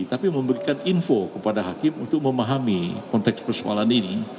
tapi memberikan info kepada hakim untuk memahami konteks persoalan ini